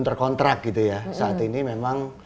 terkontrak saat ini memang